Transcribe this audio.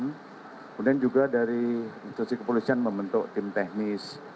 kemudian juga dari institusi kepolisian membentuk tim teknis